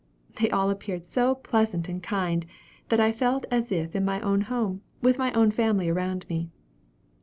They all appeared so pleasant and kind, that I felt as if in my own home, with my own family around me.